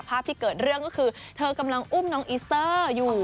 ที่เกิดเรื่องก็คือเธอกำลังอุ้มน้องอิสเตอร์อยู่